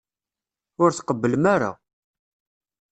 Ur tqebblem ara.